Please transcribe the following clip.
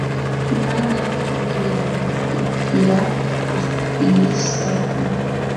mana wiyamaptiykiqa astishaykim.